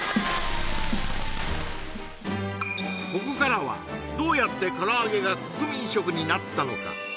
ここからはどうやってからあげが国民食になったのか？